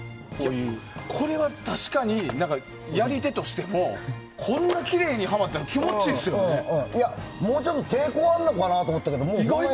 これ、確かにやり手としてもこんなにきれいにもうちょっと抵抗があるかなと思ったけど。